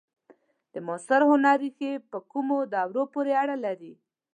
د معاصر هنر ریښې په کومو دورو پورې اړه لري؟